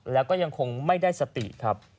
แล้วก็ยังคงไม่ได้สติครับ